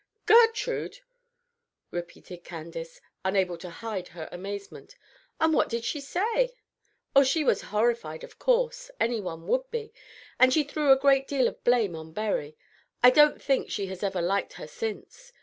"Gertrude!" repeated Candace, unable to hide her amazement. "And what did she say?" "Oh, she was horrified, of course. Any one would be; and she threw a great deal of blame on Berry. I don't think she has ever liked her since.